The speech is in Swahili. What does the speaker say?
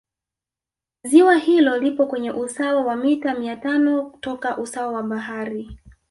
Ziwa hilo lipo kwenye usawa wa mita mia tano toka usawa wa bahari